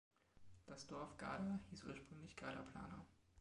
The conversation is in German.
Das Dorf Garda hieß ursprünglich "Garda plana".